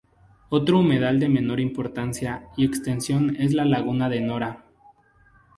Otro humedal de menor importancia y extensión es la Laguna de Nora.